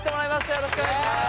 よろしくお願いします！